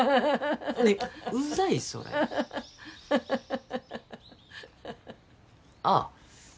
うざいそれああ